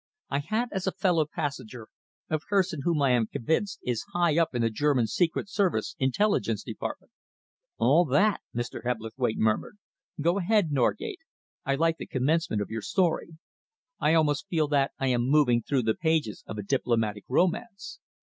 I had as a fellow passenger a person whom I am convinced is high up in the German Secret Service Intelligence Department." "All that!" Mr. Hebblethwaite murmured. "Go ahead, Norgate. I like the commencement of your story. I almost feel that I am moving through the pages of a diplomatic romance.